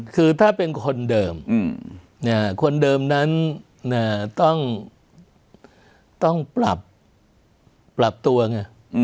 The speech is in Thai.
คือถ้าเป็นคนเดิมคนเดิมนั้นต้องปรับตัวไง